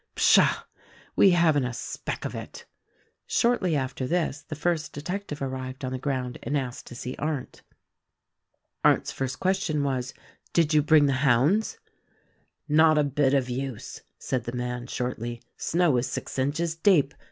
Psha! We haven't a speck of it." Shortly after this the first detective arrived on the ground and asked to see Arndt. Arndt's first question was, "Did you bring the hounds?" "Not a bit of use," said the man shortly. "Snow is six inches deep.